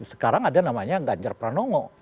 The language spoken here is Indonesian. jawa sekarang ada namanya ganjar pranongo